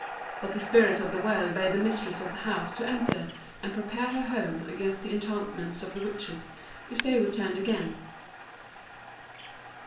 But the Spirit of the Well bade the mistress of the house to enter and prepare her home against the enchantments of the witches if they returned again.